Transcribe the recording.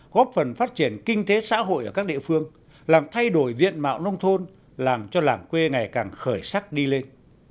góp phần phát triển kinh tế xã hội ở các địa phương làm thay đổi diện mạo nông thôn làm cho làng quê ngày càng khởi sắc đi lên